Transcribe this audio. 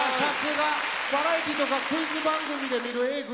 バラエティーとかクイズ番組で見るＡぇ！